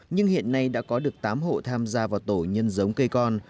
nhưng hiện nay đã có được tám hộ tham gia vào tổ nhân giống cây con